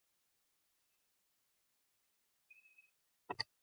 He was nonetheless a Yorkist by inclination, as were many Welshmen of the time.